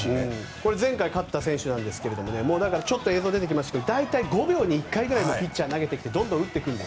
これ前回勝った選手ですが映像に出てきましたが大体、５秒に１回ぐらいピッチャーが投げてきてどんどん打つという。